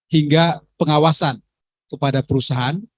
hingga pengawasan kepada perusahaan